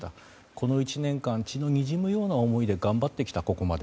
この１年間血のにじむような思いで頑張ってきた、ここまで。